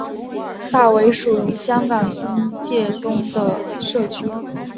大围属于香港新界东的社区。